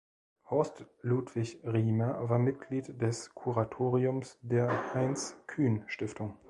Horst-Ludwig Riemer war Mitglied des Kuratoriums der Heinz-Kühn-Stiftung.